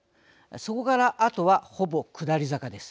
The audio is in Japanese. そこからあとは、ほぼ下り坂です。